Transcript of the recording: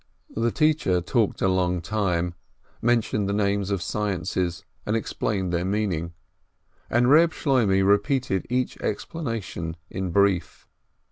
The teacher talked a long time, mentioned the names of sciences, and explained their meaning, and Eeb Shloimeh repeated each explanation in brief.